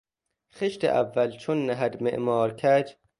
خشت اول چون نهد معمار کج...